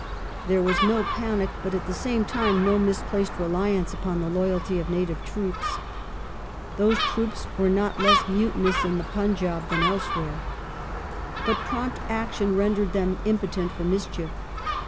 There was no panic, but at the same time no misplaced reliance upon the loyalty of native troops. Those troops were not less mutinous in the Punjab than elsewhere. But prompt action rendered them impotent for mischief.